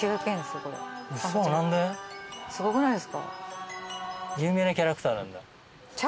すごくないですか？